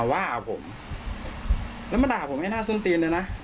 ว่าผมแล้วมาด่าผมให้หน้าส้นตีนเลยนะ